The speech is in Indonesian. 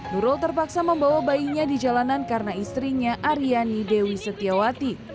nurul terpaksa membawa bayinya di jalanan karena istrinya aryani dewi setiawati